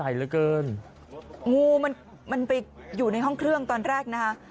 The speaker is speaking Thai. เหลือเกินงูมันมันไปอยู่ในห้องเครื่องตอนแรกนะฮะ